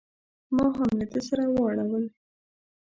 ما هم له ده سره واړول.